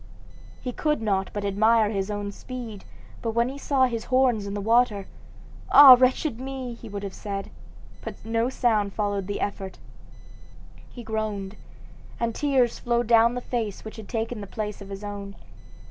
He could not but admire his own speed; but when he saw his horns in the water, "Ah, wretched me!" he would have said, but no sound followed the effort. He groaned, and tears flowed down the face which had taken the place of his own.